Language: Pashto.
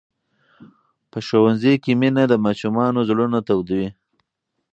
په ښوونځي کې مینه د ماشومانو زړونه تودوي.